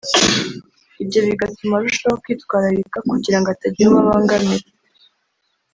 ibyo bigatuma arushaho kwitwararika kugira ngo atagira uwo abangamira